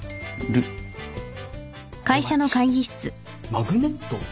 マグネット？